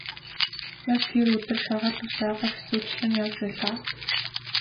Яг тэр өдөр шаргал үст ойгоор хэсүүчлэн явж байлаа.